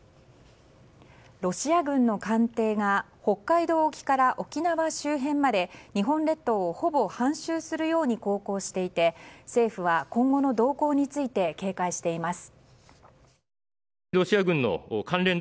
ロシア軍の艦艇が北海道沖から沖縄周辺まで日本列島をほぼ半周するように航行していて政府は、今後の動向について警戒しています。